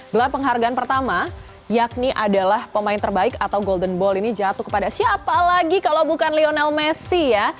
gelar penghargaan pertama yakni adalah pemain terbaik atau golden ball ini jatuh kepada siapa lagi kalau bukan lionel messi ya